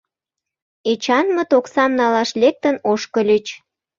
Эчанмыт оксам налаш лектын ошкыльыч.